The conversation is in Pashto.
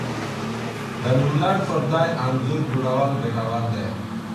د نوملړ پر ځای انځور جوړول ګټور دي.